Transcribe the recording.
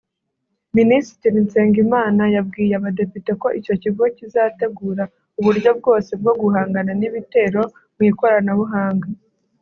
Minisitiri Nsengimana yabwiye abadepite ko icyo kigo kizategura uburyo bwose bwo guhangana n’ibitero mu ikoranabuhanga